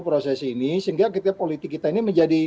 proses ini sehingga kita politik kita ini